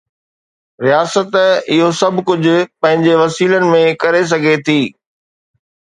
رياست اهو سڀ ڪجهه پنهنجي وسيلن ۾ ڪري سگهي ٿي.